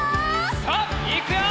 さあいくよ！